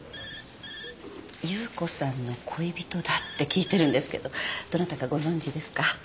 夕子さんの恋人だって聞いてるんですけどどなたかご存じですか？